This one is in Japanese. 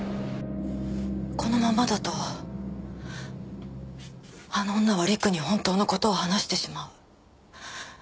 このままだとあの女は陸に本当の事を話してしまう。